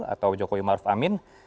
atau jokowi maruf amin